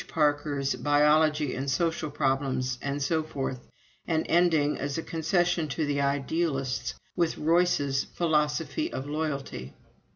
Parker's "Biology and Social Problems," and so forth and ending, as a concession to the idealists, with Royce's "Philosophy of Loyalty."